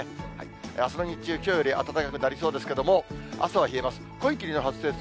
あすの日中、きょうより暖かくなりそうですけれども、朝は冷えます。